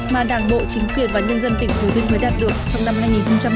mà đảng bộ chính quyền và nhân dân tỉnh thừa thiên huế đạt được trong năm hai nghìn hai mươi